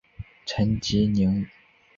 陈吉宁。